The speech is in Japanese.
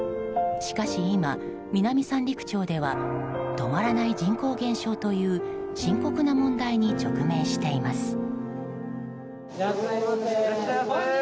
しかし今、南三陸町では止まらない人口減少という深刻な問題に直面しています。